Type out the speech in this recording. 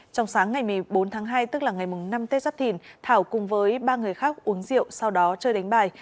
trong sáng ngày một mươi bốn tháng hai tức là ngày năm tết giáp thìn thảo cùng với ba người khác uống rượu sau đó chơi đánh bài